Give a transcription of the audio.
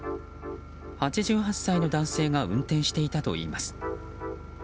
８８歳の男性が運転していたといいます。